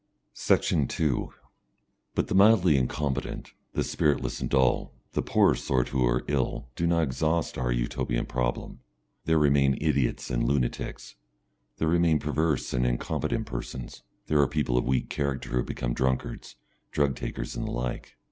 Section 2 But the mildly incompetent, the spiritless and dull, the poorer sort who are ill, do not exhaust our Utopian problem. There remain idiots and lunatics, there remain perverse and incompetent persons, there are people of weak character who become drunkards, drug takers, and the like.